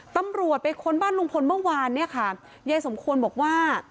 ตำรวจไปค้นบ้านลุงพลเมื่อวานเนี่ยค่ะยายสมควรบอกว่า